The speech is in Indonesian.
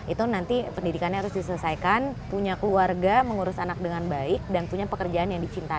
itu nanti pendidikannya harus diselesaikan punya keluarga mengurus anak dengan baik dan punya pekerjaan yang dicintai